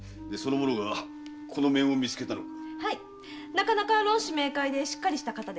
なかなか論旨明解でしっかりした方でした。